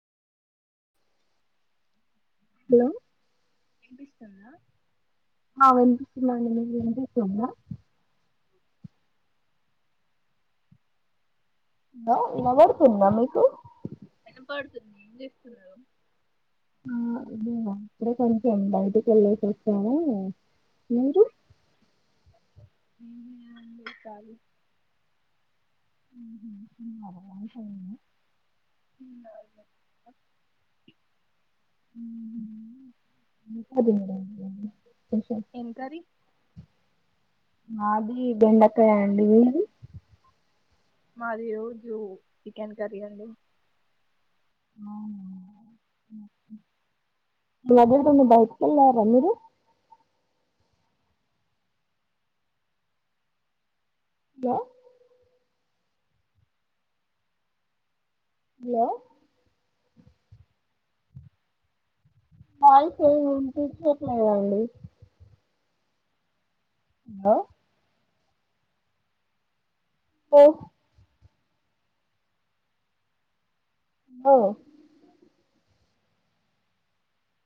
hello వినిపిస్తుందా ఆ వినిపిస్తుంది మీకు వినిపిస్తుంద హలో వినబడుతుందా మీకు వినబడుతుంది ఏం చేస్తున్నారు ఆ ఇదే అక్కడే కొంచెం బయటికి ఎళ్ళేసి వచ్చాము ఏంటి ఏం లేదండి ఖాళీ మ్మ్ హు చేయనా వద్దు మేడం ఎం కర్రీ మాది బెండకాయ అండి మీది మాది ఈరోజు చికెన్ కర్రీ అండి అవునా డబుల్ బెడ్ బైట్ కలార అ మీరు య హలో వాయిస్ ఏం వినిపించట్లేదండి హలో ఓ ఓ